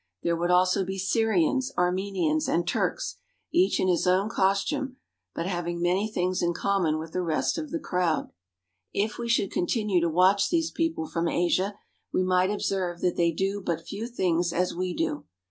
There would also be Syrians, Armenians, and Turks, each in his own costume, but having many things in common with the rest of the crowd. If we should continue to watch these people from Asia, we might observe that they do but few things as we do.